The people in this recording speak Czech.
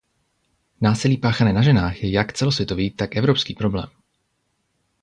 Násilí páchané na ženách je jak celosvětový, tak evropský problém.